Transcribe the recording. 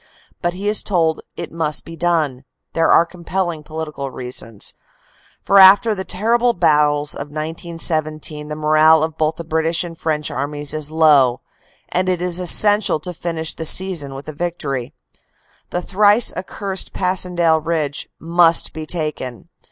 But he is told it must be done there are compel ling political reasons; for after the terrible battles of 1917 the morale of both the British and French armies is low, and it is essential to finish the season with a victory. The thrice ac cursed Passhendaele Ridge must be taken.